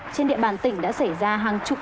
trên địa bàn tỉnh đã xảy ra hàng chục